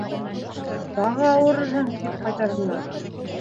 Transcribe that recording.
Тағы ауырырһың, тип ҡайтарҙылар.